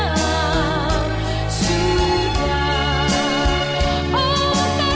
bagaimana cara punya dia ketati